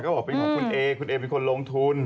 ก็บอกเป็นของคุณเอคุณเอเป็นคนลงทุน